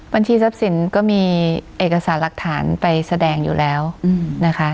บัญชีทรัพย์สินก็มีเอกสารหลักฐานไปแสดงอยู่แล้วนะคะ